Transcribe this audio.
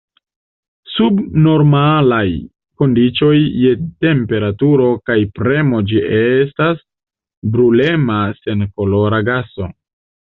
Sub normalaj kondiĉoj je temperaturo kaj premo ĝi estas brulema senkolora gaso.